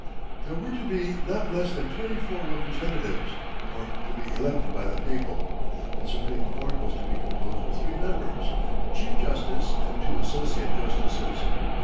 There were to be not less than twenty four representatives, who were to be elected by the people. The Supreme Court was to be composed of three members a chief justice and two associate justices.